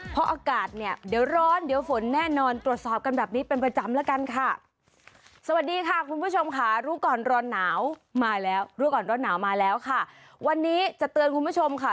เพราะอากาศเนี่ยเดี๋ยวร้อนเดี๋ยวฝนแน่นอนตรวจสอบกันแบบนี้เป็นประจำแล้วกันค่ะ